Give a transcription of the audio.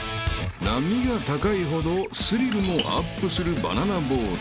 ［波が高いほどスリルもアップするバナナボート］